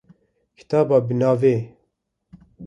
Kitêba wî bi navê